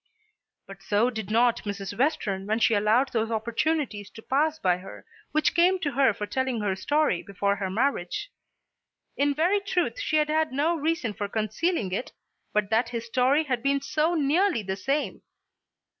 But so did not Mrs. Western when she allowed those opportunities to pass by her which came to her for telling her story before her marriage. In very truth she had had no reason for concealing it but that his story had been so nearly the same.